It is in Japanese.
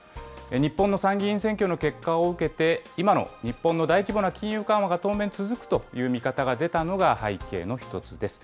日本の参議院選挙の結果を受けて、今の日本の大規模な金融緩和が当面続くという見方が出たのが背景の一つです。